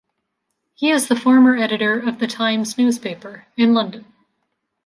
He is former editor of "The Times" newspaper in London.